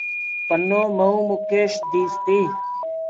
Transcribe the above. پنو ميوُ مُڪيش ديس تي۔